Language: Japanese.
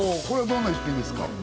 これはどんな一品ですか？